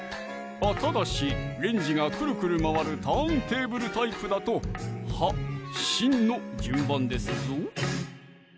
ただしレンジがクルクル回るターンテーブルタイプだと葉・芯の順番ですぞ！